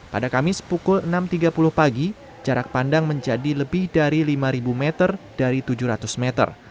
pada kamis pukul enam tiga puluh pagi jarak pandang menjadi lebih dari lima meter dari tujuh ratus meter